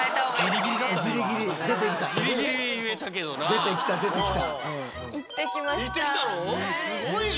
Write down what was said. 出てきた出てきた。